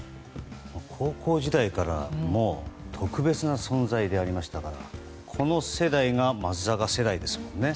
高校時代からもう特別な存在でありましたからこの世代が松坂世代ですもんね。